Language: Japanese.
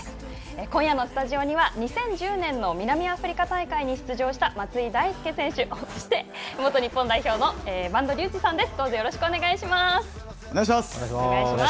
今夜のスタジオには２０１０年の南アフリカ大会に出場した松井大輔選手そして元日本代表の播戸竜二さんです。